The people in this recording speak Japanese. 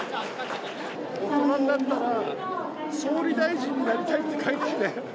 大人になったら、総理大臣になりたいって書いていた。